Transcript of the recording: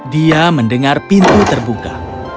dia mendengar pintu terbuka